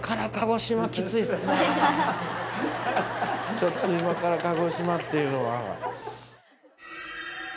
ちょっと今から鹿児島っていうのは。